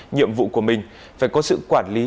nhiệm vụ của mình phải có sự quản lý